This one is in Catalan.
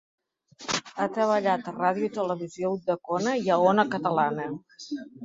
Ha treballat a Ràdio i Televisió Ulldecona i a Ona Catalana.